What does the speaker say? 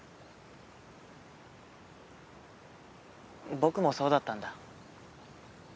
僕もそうだったんだ。